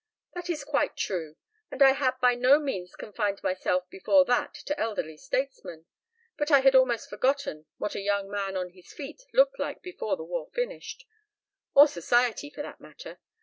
"That is quite true, and I had by no means confined myself before that to elderly statesmen; but I had almost forgotten what a young man on his feet looked like before the war finished. Or Society, for that matter.